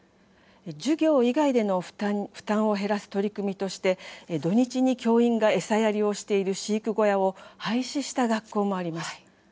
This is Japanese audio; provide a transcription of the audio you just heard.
授業以外での負担を減らす取り組みとして土日に教員が餌やりをしている飼育小屋を廃止した学校もあります。